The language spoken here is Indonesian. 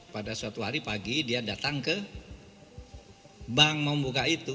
pada suatu hari pagi dia datang ke bank membuka itu